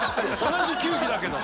同じ球技だけど。